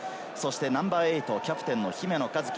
ナンバー８はキャプテンの姫野和樹。